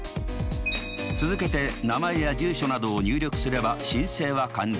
続けて名前や住所などを入力すれば申請は完了。